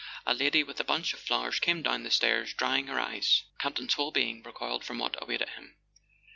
A lady with a bunch of flowers came down the stairs drying her eyes. Campton's whole being recoiled from what awaited him.